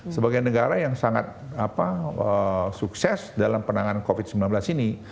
sebagai negara yang sangat sukses dalam penanganan covid sembilan belas ini